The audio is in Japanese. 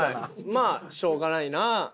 まあしょうがないなあ。